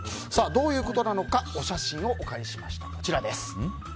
どういうことかお写真をお借りしました。